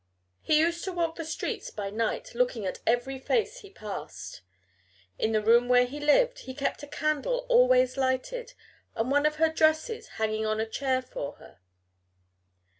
He used to walk the streets by night, looking at every face he passed. In the room where he lived he kept a candle always lighted and one of her dresses hanging on a chair for her.